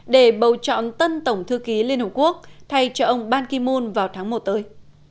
để bầu chọn tân tổng thư ký liên hợp quốc thay cho ông ban kim mun vào tháng một tới